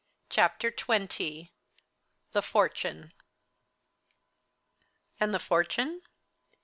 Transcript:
CHAPTER XX THE FORTUNE And the fortune?